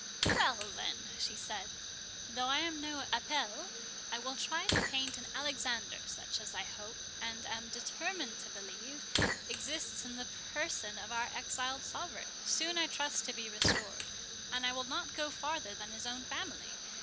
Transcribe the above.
"Well, then," she said, "though I am no Apelles, I will try to paint an Alexander, such as I hope, and am determined to believe, exists in the person of our exiled sovereign, soon I trust to be restored. And I will not go farther than his own family.